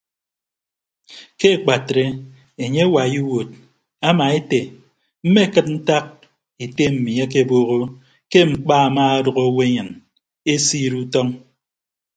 Ke akpatre enye awai iwuod ama ete mmekịd ntak ete mmi akebooho ke mkpa amaadʌk owo enyen esesiid utọñ.